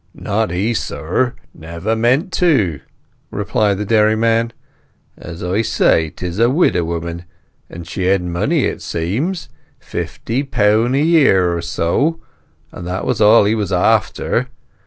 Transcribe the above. "Not he, sir. Never meant to," replied the dairyman. "As I say, 'tis a widow woman, and she had money, it seems—fifty poun' a year or so; and that was all he was after.